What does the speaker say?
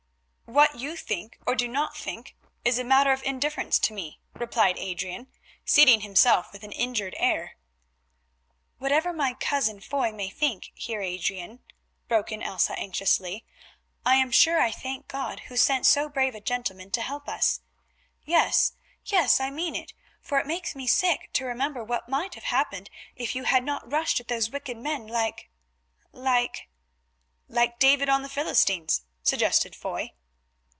"What you think, or do not think, is a matter of indifference to me," replied Adrian, seating himself with an injured air. "Whatever my cousin Foy may think, Heer Adrian," broke in Elsa anxiously, "I am sure I thank God who sent so brave a gentleman to help us. Yes, yes, I mean it, for it makes me sick to remember what might have happened if you had not rushed at those wicked men like—like——" "Like David on the Philistines," suggested Foy.